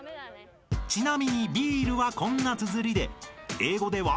［ちなみにビールはこんなつづりで英語では］